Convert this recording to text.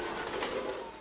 dari jawa barat